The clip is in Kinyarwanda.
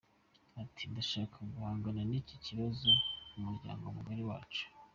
Ati “Ndashaka guhangana n’iki kibazo ku bw’umuryango mugari wacu.